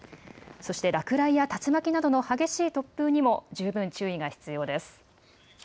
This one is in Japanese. そして、落雷や竜巻などの激しい突風にも十分注意が必要です。